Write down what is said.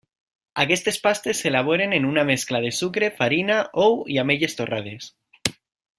Aquestes pastes s'elaboren amb una mescla de sucre, farina, ou i ametlles torrades.